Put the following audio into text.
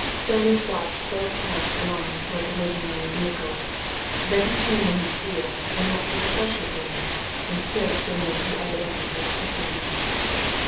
Starmidge watched both pass along towards the waiting lines of vehicles then he turned on his heel and went to the refreshment room and straight to a man who evidently expected him.